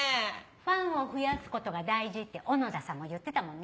ファンを増やすことが大事って小野田さんも言ってたもんね。